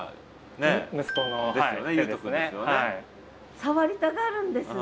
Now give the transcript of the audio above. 触りたがるんですね？